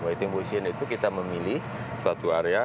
waiting possion itu kita memilih suatu area